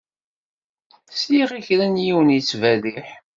Sliɣ i kra n yiwen yettberriḥ.